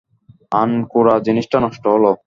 আনকোরা জিনিসটা নষ্ট হলো।